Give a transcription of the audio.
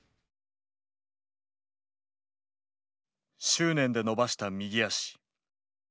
執念で伸ばした右足。